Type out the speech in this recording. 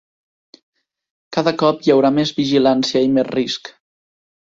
Cada cop hi haurà més vigilància i més risc.